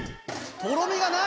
とろみがない。